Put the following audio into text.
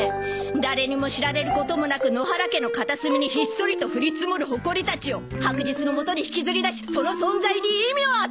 誰にも知られることもなく野原家の片隅にひっそりと降り積もるホコリたちを白日のもとに引きずり出しその存在に意味を与える！